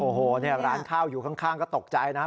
โอ้โหเนี่ยร้านข้าวอยู่ข้างก็ตกใจนะ